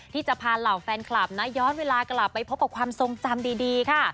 ที่จะพาเหล่าแฟนคลับนะย้อนเวลากลับไปพบกับความทรงจำดีค่ะ